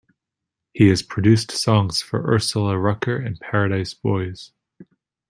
He has produced songs for Ursula Rucker and Paradise Boys.